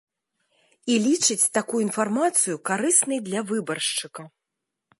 І лічыць такую інфармацыю карыснай для выбаршчыка.